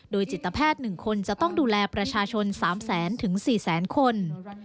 โดยจิตแพทย์หนึ่งคนจะต้องดูแลประชาชน๓๐๐๔๐๐คน